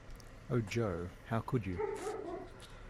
O Jo, how could you?